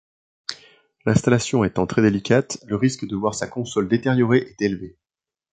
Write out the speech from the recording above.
L'installation étant très délicate, le risque de voir sa console détériorée est élevé.